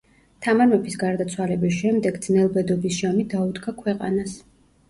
თამარ მეფის გარდაცვალების შემდეგ ძნელბედობის ჟამი დაუდგა ქვეყანას.